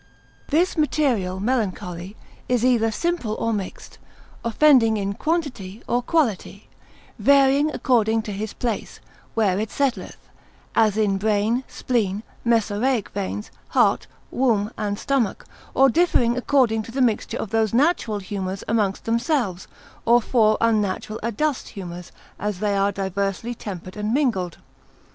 This material melancholy is either simple or mixed; offending in quantity or quality, varying according to his place, where it settleth, as brain, spleen, mesaraic veins, heart, womb, and stomach; or differing according to the mixture of those natural humours amongst themselves, or four unnatural adust humours, as they are diversely tempered and mingled.